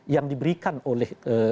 yang diberikan oleh